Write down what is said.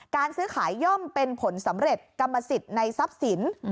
การซื้อขายย่อมเป็นผลสำเร็จกรรมสิทธิ์ในทรัพย์สิน